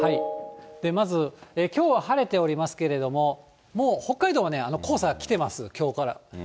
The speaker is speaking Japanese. まず、きょうは晴れておりますけれども、もう北海道は黄砂が来てます、きょうから。